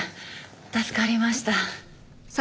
助かりました。